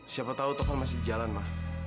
siapa tahu taufan masih jalan ma